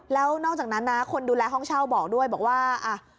แล้วนอกจากนั้นนะคนดูแลห้องเช่าบอกด้วยบอกว่า